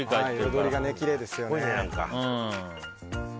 彩りがきれいですよね。